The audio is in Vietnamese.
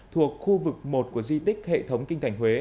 thuộc khu vực một của di tích hệ thống kinh thành huế